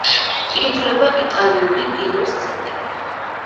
ითვლება იტალიური კინოს ცენტრად.